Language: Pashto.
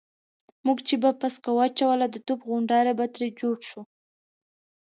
موږ چې به پسکه واچوله د توپ غونډاری به ترې جوړ شو.